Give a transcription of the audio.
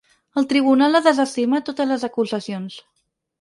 El tribunal ha desestimat totes les acusacions.